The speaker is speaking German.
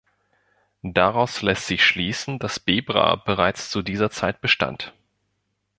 Daraus lässt sich schließen, dass Bebra bereits zu dieser Zeit bestand.